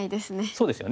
そうですよね。